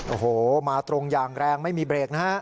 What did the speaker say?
โอ้โหมาตรงอย่างแรงไม่มีเบรกนะฮะ